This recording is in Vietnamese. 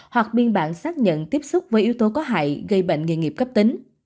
hoặc biên bản xác nhận tiếp xúc với yếu tố có hại gây bệnh nghề nghiệp cấp tính